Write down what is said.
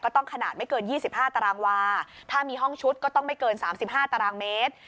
ต้องขนาดไม่เกิน๒๕ตารางวาถ้ามีห้องชุดก็ต้องไม่เกิน๓๕ตารางเมตร